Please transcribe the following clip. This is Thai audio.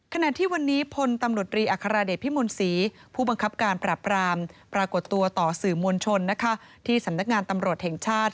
ขณะที่วันนี้พลตำรวจรีอัครเดชพิมลศรีผู้บังคับการปรับรามปรากฏตัวต่อสื่อมวลชนที่สำนักงานตำรวจแห่งชาติ